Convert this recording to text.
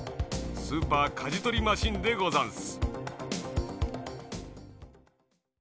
スーパーかじとりマシンでござんす。